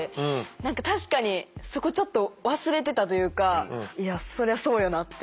何か確かにそこちょっと忘れてたというかいやそりゃそうよなって。